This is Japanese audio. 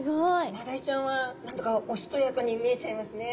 マダイちゃんは何だかおしとやかに見えちゃいますね。